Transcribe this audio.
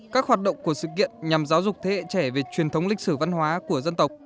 các hoạt động của sự kiện nhằm giáo dục thế hệ trẻ về truyền thống lịch sử văn hóa của dân tộc